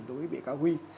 đối với bị cáo huy